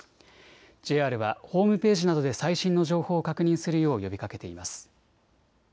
ＪＲはホームページなどで最新の情報を確認するよう呼びかけています。